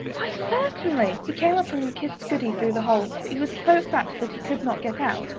Why, certainly!" He came up and kissed Goody through the hole; but he was so fat that he could not get out.